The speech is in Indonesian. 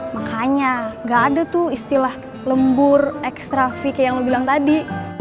makanya gak ada tuh istilah lembur ekstravi kayak yang lo bilang tadi